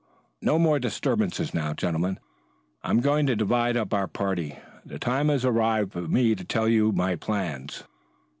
"No more disturbance now. Gentlemen, I am going to divide up our party. The time has arrived for me to tell you my plans.